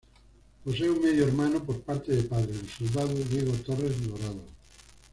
Posee un medio-hermano por parte de padre, el soldado Diego Torres Dorado.